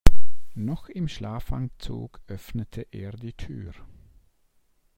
Noch im Schlafanzug öffnete er die Tür.